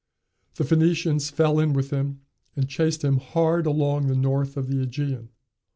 The Phoenicians fell in with him, and chased him hard along the north of the Ægean.